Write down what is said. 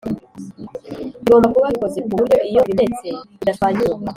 bigomba kuba bikoze ku buryo iyo bimenetse bidashwanyuka